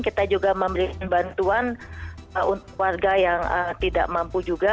kita juga memberikan bantuan warga yang tidak mampu juga